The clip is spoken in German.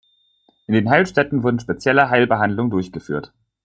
In den Heilstätten wurden spezielle Heilbehandlungen durchgeführt.